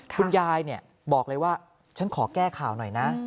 คุณยายบอกเลยว่าฉันขอแก้ข่าวหน่อยนะ